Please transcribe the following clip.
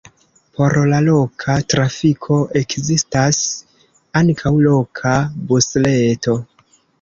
Por la loka trafiko ekzistas ankaŭ loka busreto.